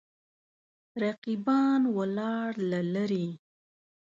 رقیبان ولاړ له لرې.